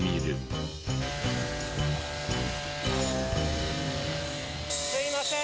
あっすいません。